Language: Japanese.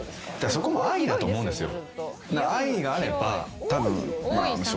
そこも愛だと思うんですよ。